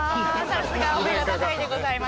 さすがお目が高いでございます